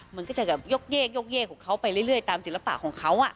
มันก็จะแบบยกของเขาไปเรื่อยตามศิลปะของเขา